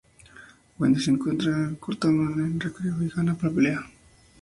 Wendy se encuentra con Cartman en el recreo y gana la pelea.